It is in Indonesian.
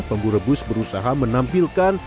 pemburu bus berusaha menampilkan